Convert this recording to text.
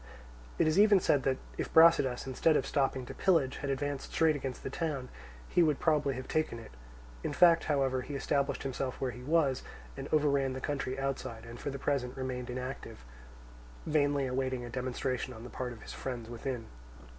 It is even said that if Brasidas, instead of stopping to pillage, had advanced straight against the town, he would probably have taken it. In fact, however, he established himself where he was and overran the country outside, and for the present remained inactive, vainly awaiting a demonstration on the part of his friends within.